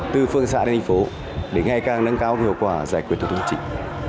từ phương xã đến thành phố để ngày càng nâng cao hiệu quả giải quyết thủ tục hành chính